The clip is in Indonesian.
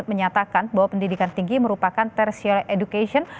menyatakan bahwa pendidikan tinggi merupakan tertial education